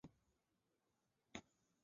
浙江仁和县人。